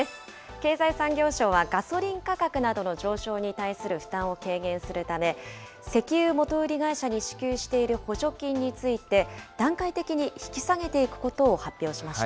経済産業省は、ガソリン価格などの上昇に対する負担を軽減するため、石油元売り会社に支給している補助金について、段階的に引き下げていくことを発表しました。